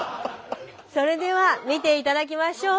それでは見て頂きましょう。